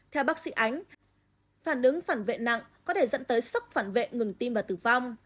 theo bác sĩ ánh phản ứng phản vệ nặng có thể dẫn tới sốc phản vệ ngừng tim và tử vong